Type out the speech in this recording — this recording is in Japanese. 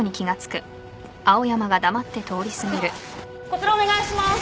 こちらお願いします。